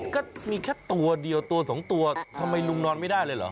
ก็มีแค่ตัวเดียวตัวสองตัวทำไมลุงนอนไม่ได้เลยเหรอ